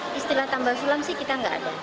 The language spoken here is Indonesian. istilah tambah sulam sih kita nggak ada